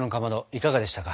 いかがでしたか？